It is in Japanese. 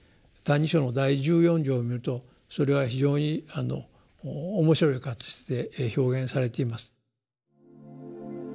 「歎異抄」の第十四条を見るとそれは非常に面白い形で表現されています。